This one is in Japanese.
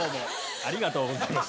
ありがとうございます。